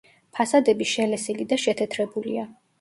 ფასადები შელესილი და შეთეთრებულია.